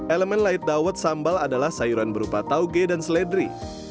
elemen light dawet sambal adalah sayuran berupa tauge dan seledri